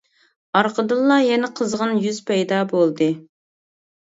ئارقىدىنلا يەنە قىزغىن يۈز پەيدا بولدى.